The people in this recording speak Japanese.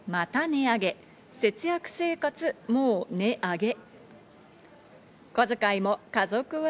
「また値上げ節約生活もう音上げ」。